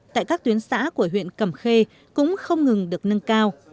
tại các tuyến xã của huyện cẩm khê cũng không ngừng được nâng cao